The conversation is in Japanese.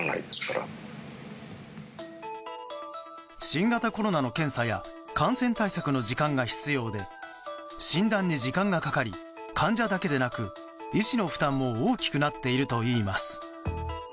新型コロナの検査や感染対策の時間が必要で診断に時間がかかり患者だけでなく医師の負担も大きくなっているといいます。